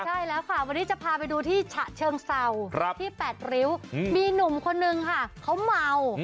ใช่แล้วค่ะวันนี้จะพาไปดูที่ฉะเชิงเศร้าที่๘ริ้วมีหนุ่มคนนึงค่ะเขาเมา